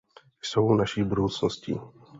Jsou naší budoucností.